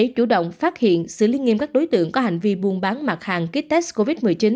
để chủ động phát hiện xử lý nghiêm các đối tượng có hành vi buôn bán mặt hàng ký test covid một mươi chín